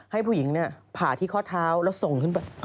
ให้ผู้หญิงผ่าที่ข้อเท้าแล้วส่งขึ้นไป